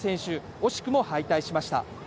惜しくも敗退しました。